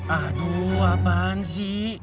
aduh apaan sih